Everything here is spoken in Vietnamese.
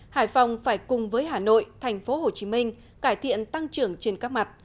hải phòng phải cùng với hà nội thành phố hồ chí minh cải thiện tăng trưởng trên các mặt